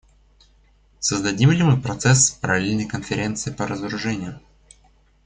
Создадим ли мы процесс, параллельный Конференции по разоружению?